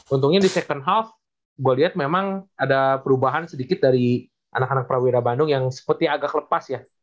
untungnya di second house gue lihat memang ada perubahan sedikit dari anak anak prawira bandung yang seperti agak lepas ya